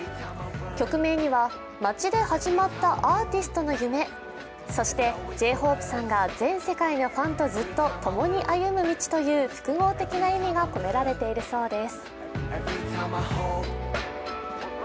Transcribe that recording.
曲名には、街で始まったアーティストの夢、そして、Ｊ−ＨＯＰＥさんが全世界のファンとずっと共に歩む道という複合的な意味が込められているそうです。